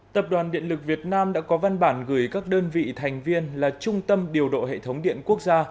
tập đoàn điện lực việt nam đã có văn bản gửi các đơn vị thành viên là trung tâm điều độ hệ thống điện quốc gia